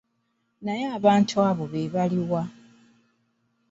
Naye abantu abo be baluwa?